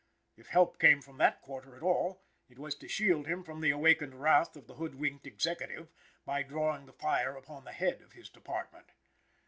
If help came from that quarter at all, it was to shield him from the awakened wrath of the hood winked Executive, by drawing the fire upon the head of his department.